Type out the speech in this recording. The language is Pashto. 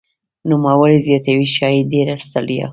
نوموړی زیاتوي "ښايي ډېره ستړیا